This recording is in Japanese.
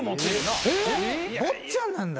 坊ちゃんなんだ。